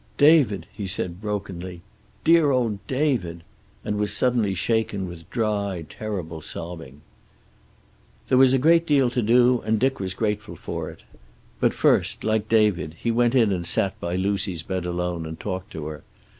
"David!" he said brokenly. "Dear old David!" And was suddenly shaken with dry, terrible sobbing. There was a great deal to do, and Dick was grateful for it. But first, like David, he went in and sat by Lucy's bed alone and talked to her.